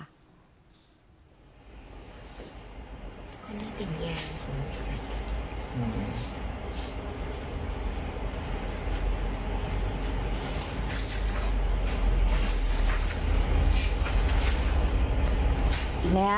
คนนี้เป็นยาย